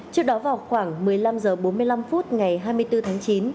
trước đó vào khoảng một mươi năm h bốn mươi năm phút ngày hai mươi bốn tháng chín